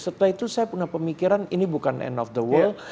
setelah itu saya punya pemikiran ini bukan end of the world